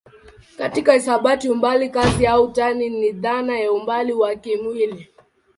Katika hisabati umbali kazi au tani ni dhana ya umbali wa kimwili.